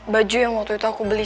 baju yang waktu itu aku beli